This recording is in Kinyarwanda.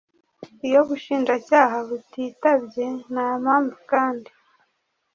iyo ubushinjacyaha butitabye nta mpamvu kandi